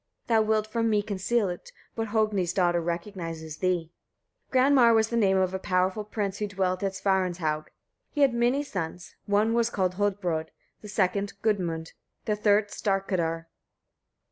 thou wilt from me conceal it, but Hogni's daughter recognizes thee. Granmar was the name of a powerful prince who dwelt at Svarinshaug. He had many sons: one was called Hodbrodd, the second Gudmund, the third Starkadr.